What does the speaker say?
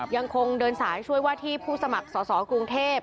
ยังคงเดินสายช่วยว่าที่ผู้สมัครสอสอกรุงเทพ